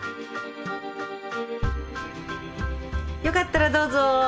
よかったらどうぞ。